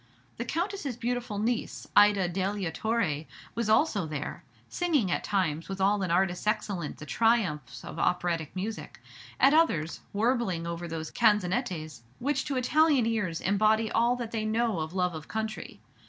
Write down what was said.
The Countess's beautiful niece, Ida Delia Torre, was also there, singing at times with all an artist's excellence the triumphs of operatic music; at others, warbling over those "canzonettes" which to Italian ears embody all that they know of love of country.